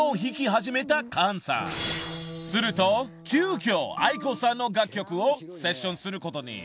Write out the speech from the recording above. ［すると急きょａｉｋｏさんの楽曲をセッションすることに］